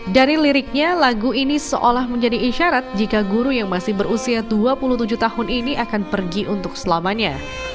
dari liriknya lagu ini seolah menjadi isyarat jika guru yang masih berusia dua puluh tujuh tahun ini akan pergi untuk selamanya